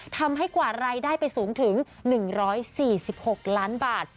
ทำให้กว่ารายได้ไปสูงถึง๑๔๖ล้านบาท